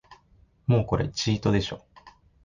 もうこれチートでしょ